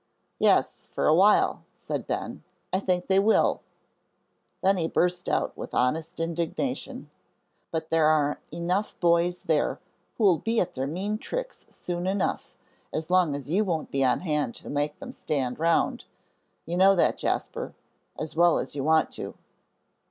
"Yes, for a while," said Ben, "I think they will;" then he burst out with honest indignation, "but there are enough boys there who'll be at their mean tricks soon enough, as long as you won't be on hand to make them stand round, you know that, Jasper, as well as you want to."